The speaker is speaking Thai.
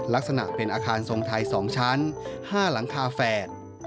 ลักษณะเป็นอาคารทรงไทย๒ชั้น๕หลังคาแฝด